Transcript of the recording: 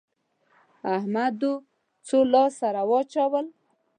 احمد دوی څو لاس سره واچول؟